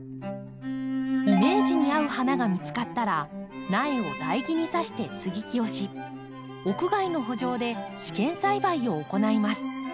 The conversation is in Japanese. イメージに合う花が見つかったら苗を台木に挿して接ぎ木をし屋外の圃場で試験栽培を行います。